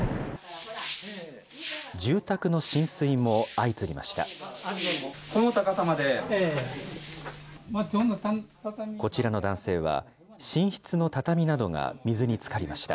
住宅の浸水も相次ぎました。